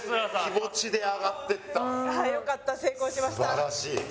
素晴らしい！